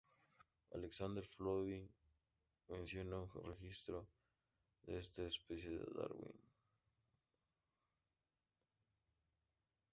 Alexander Floyd menciona un registro de esta especie en Darwin.